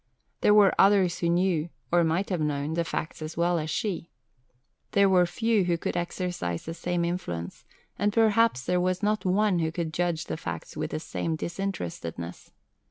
There were others who knew, or might have known, the facts as well as she. There were few who could exercise the same influence, and perhaps there was not one who could judge the facts with the same disinterestedness.